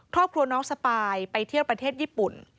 ครอบครัวน้องสปายไปเที่ยวประเทศญี่ปุ่น